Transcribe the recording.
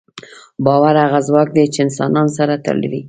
باور هغه ځواک دی، چې انسانان سره تړي.